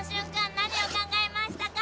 何を考えましたか？